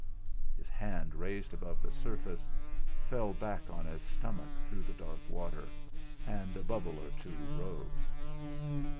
His hand raised above the surface fell back on his stomach through the dark water, and a bubble or two rose.